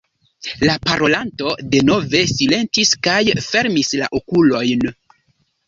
La parolanto denove silentis kaj fermis la okulojn.